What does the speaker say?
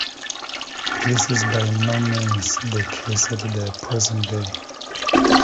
This is by no means the case at the present day.